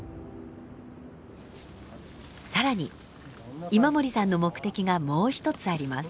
更に今森さんの目的がもう一つあります。